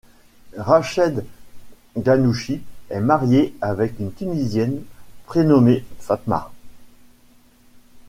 Rached Ghannouchi est marié avec une tunisienne prénommée Fatma.